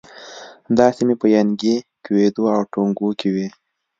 دا سیمې په ینګی، کویدو او ټونګو کې وې.